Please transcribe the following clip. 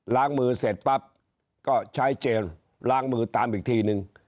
ล้างมือเสร็จปั๊บก็ใช้เจลล้างมือตามอีกทีนึง